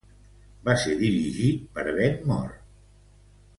Va ser dirigit per Ben Mor.